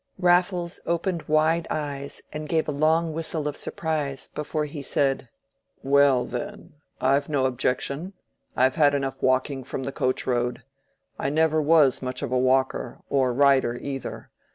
Raffles opened wide eyes, and gave a long whistle of surprise, before he said, "Well then, I've no objection. I've had enough walking from the coach road. I never was much of a walker, or rider either.